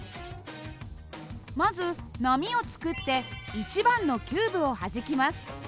まず波を作って１番のキューブをはじきます。